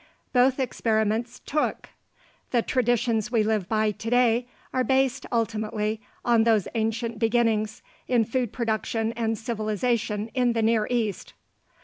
Both experiments "took." The traditions we live by today are based, ultimately, on those ancient beginnings in food production and civilization in the Near East.